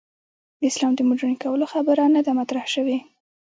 د اسلام د مډرن کولو خبره نه ده مطرح شوې.